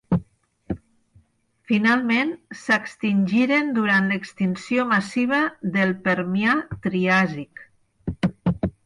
Finalment, s'extingiren durant l'extinció massiva del Permià-Triàsic.